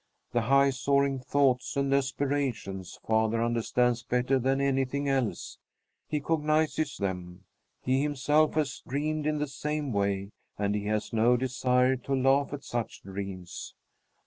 The high soaring thoughts and aspirations father understands better than anything else; he cognizes them. He himself has dreamed in the same way, and he has no desire to laugh at such dreams.